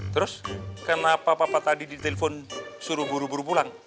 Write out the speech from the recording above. terus kenapa papa tadi ditelepon suruh buru buru pulang